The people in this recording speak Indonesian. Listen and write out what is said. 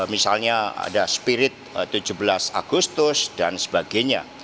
misalnya ada spirit tujuh belas agustus dan sebagainya